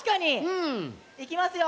うん。いきますよ。